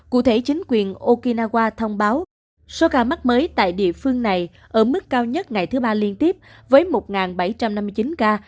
cụ thể chính quyền okinawa thông báo số ca mắc mới tại địa phương này ở mức cao nhất ngày thứ ba liên tiếp với một bảy trăm năm mươi chín ca